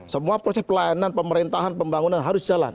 semua proses pelayanan pemerintahan pembangunan harus jalan